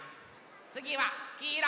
つぎはきいろ。